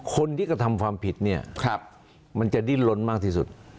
คนที่กระทำความผิดเนี่ยมันจะดิ้นล้นมากที่สุด